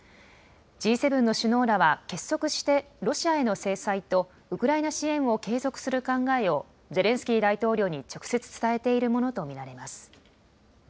Ｇ７の首脳らは結束してロシアへの制裁とウクライナ支援を継続する考えを、ゼレンスキー大統領に直接伝えているものと見られます。